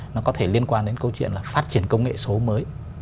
nó có thể liên quan đến câu chuyện là phát triển công nghệ số mới